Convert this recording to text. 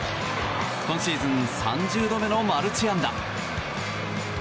今シーズン３０度目のマルチ安打。